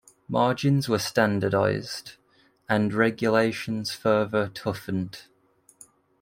Margins were standardized and regulations further toughened.